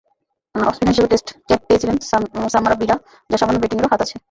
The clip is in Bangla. অফস্পিনার হিসেবে টেস্ট ক্যাপ পেয়েছিলেন সামারাবীরা, যাঁর সামান্য ব্যাটিংয়েরও হাত আছে।